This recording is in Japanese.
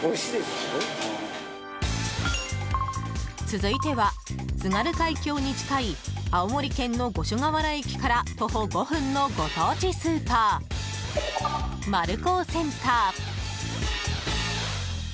続いては津軽海峡に近い青森県の五所川原駅から徒歩５分のご当地スーパーマルコーセンター。